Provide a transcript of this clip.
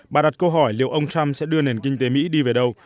bà đặt câu hỏi liệu ông trump sẽ đưa nền kinh tế mỹ đi về đâu